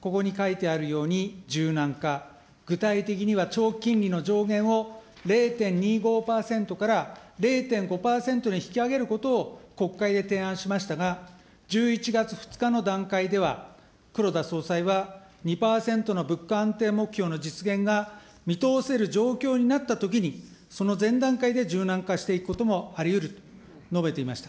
ここに書いてあるように、柔軟か、具体的には長期金利の上限を０．２５％から０．５％に引き上げることを国会で提案しましたが、１１月２日の段階では、黒田総裁は、２％の物価安定目標の実現が見通せる状況になったときに、その前段階で柔軟化していくこともありうると述べていました。